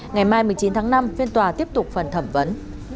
ngày mai một mươi chín tháng năm phiên tòa tiếp tục phần thẩm vấn